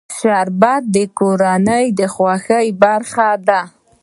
شربت د کورنۍ د خوښۍ برخه ده